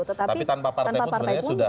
tapi tanpa partai pun sebenarnya sudah